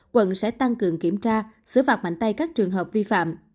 quận sẽ tăng cường kiểm tra xử phạt mạnh tay các trường hợp vi phạm